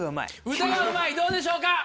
歌がうまいどうでしょうか？